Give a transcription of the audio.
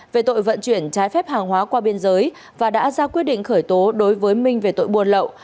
về tội vận chuyển trái phép hàng hóa qua biên giới và đã ra quyết định khởi tố đối với minh về tội buôn lậu